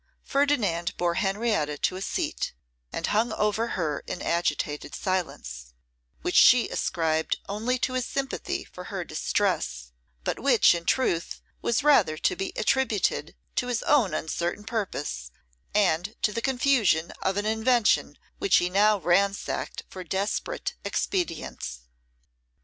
Ferdinand bore Henrietta to a seat, and hung over her in agitated silence, which she ascribed only to his sympathy for her distress, but which, in truth, was rather to be attributed to his own uncertain purpose, and to the confusion of an invention which he now ransacked for desperate expedients.